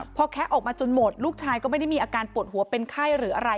พอแคะออกมาจนหมดลูกชายก็ไม่ได้มีอาการปวดหัวเป็นไข้หรืออะไร